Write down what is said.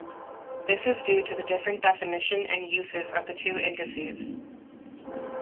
This is due to the different definition and uses of the two indices.